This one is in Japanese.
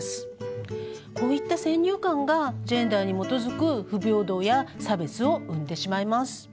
こういった先入観がジェンダーに基づく不平等や差別を生んでしまいます。